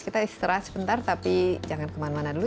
kita istirahat sebentar tapi jangan kemana mana dulu